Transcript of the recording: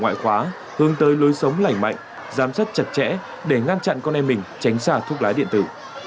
ngoại khóa hướng tới lối sống lành mạnh giám sát chặt chẽ để ngăn chặn con em mình tránh sàng thuốc lá điện tử